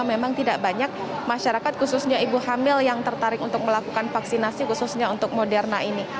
memang tidak banyak masyarakat khususnya ibu hamil yang tertarik untuk melakukan vaksinasi khususnya untuk moderna ini